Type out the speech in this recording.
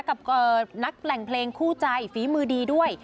กับนักแหล่งเพลงคู่ใจฝีมือดีด้วย